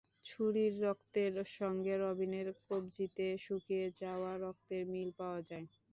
ছুরির রক্তের সঙ্গে রবিনের কবজিতে শুকিয়ে যাওয়া রক্তের মিল পাওয়া যায়।